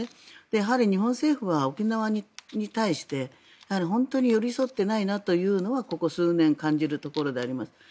やはり日本政府は沖縄に対して寄り添ってないなというのがここ数年感じるところであります。